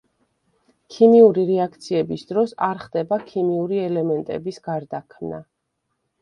ქიმიური რეაქციების დროს არ ხდება ქიმიური ელემენტების გარდაქმნა.